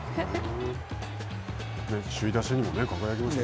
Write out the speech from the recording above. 首位打者にも輝きました。